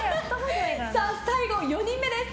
最後、４人目です。